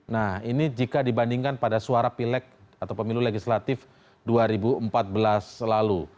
nah ini jika dibandingkan pada suara pilek atau pemilu legislatif dua ribu empat belas lalu